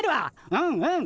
うんうん。